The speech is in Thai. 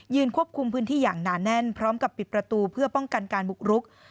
ควบคุมพื้นที่อย่างหนาแน่นพร้อมกับปิดประตูเพื่อป้องกันการบุกรุก